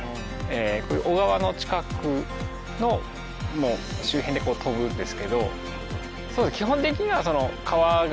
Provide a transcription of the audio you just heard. こういう小川の近くの周辺で飛ぶんですけど。